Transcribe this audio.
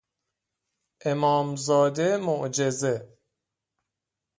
امام زاده معجزه